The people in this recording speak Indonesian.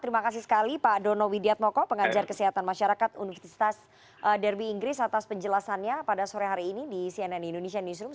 terima kasih sekali pak dono widiatmoko pengajar kesehatan masyarakat universitas derby inggris atas penjelasannya pada sore hari ini di cnn indonesia newsroom